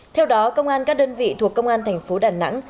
theo đó công an các đơn vị thuộc công an tp đà nẵng